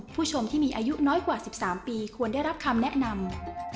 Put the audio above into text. ผู้ชมที่มีอายุน้อยกว่า๑๓ปีควรได้รับคำแนะนำ